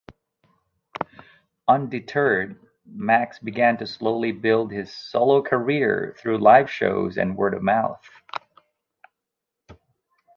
Undeterred, Max began to slowly build his solo career through live shows and word-of-mouth.